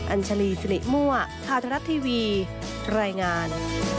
อัญชลีสิริมัวธาตุรัฐทีวีรายงาน